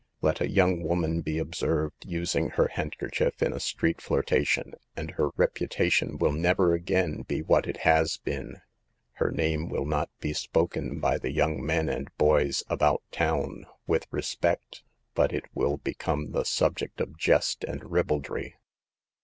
Let a young woman be observed using her handker chief in a street flirtation, and her reputation will never again be what it has been. Her name will not be spoken by the young men and 198 SAVE THE GIRLS, boys 64 about town " with respect, but it will become the subject of jest and ribaldry.